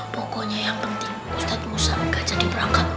pokoknya yang penting ustadz musa nggak jadi berangkat